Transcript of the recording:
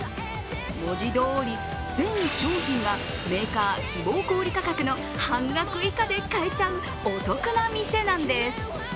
文字どおり全商品がメーカー希望小売価格の半額以下で買えちゃうお得な店なんです。